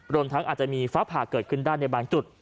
รวมทั้งอาจจะมีฟ้าผ่าเกิดขึ้นได้ในบางจุด